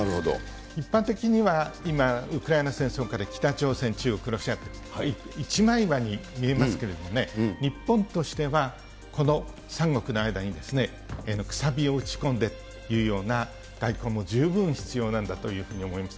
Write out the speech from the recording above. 一般的には今、ウクライナ戦争下で北朝鮮、中国、ロシアと、一枚岩に見えますけどね、日本としてはこの３国の間にくさびを打ち込んでというような、外交も十分必要なんだというふうに思います。